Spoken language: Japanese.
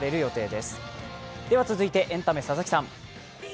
では、続いてエンタメ、佐々木さん。